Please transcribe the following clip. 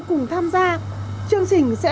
cùng tham gia chương trình sẽ